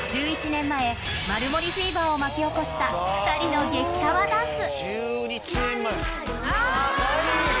１１年前マルモリフィーバーを巻き起こした２人の激かわダンス！